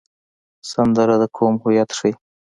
سندره د قوم هویت ښيي